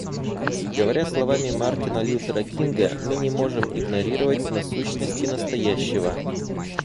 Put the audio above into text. Говоря словами Мартина Лютера Кинга, мы не можем игнорировать насущности настоящего.